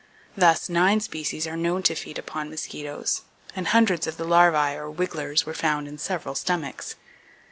Thus, nine species are known to feed upon mosquitoes, and hundreds of the larvae or "wigglers" were found in several stomachs.